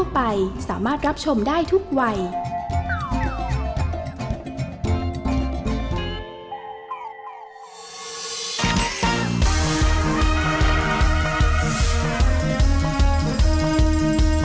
เบป่าประจำต่อน